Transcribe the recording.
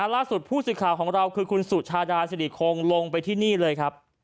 ล่าสุดผู้สื่อข่าวของเราคือคุณสุชาดาสิริคงลงไปที่นี่เลยครับ